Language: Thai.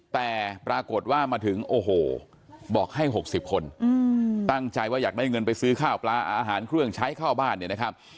แต่ปรากฏว่ามาถึงโอ้โหบอกให้๖๐คนตั้งใจว่าอยากได้เงินไปซื้อข้าวปลาอาหารเครื่องใช้เข้าบ้านเนี่ยนะครับ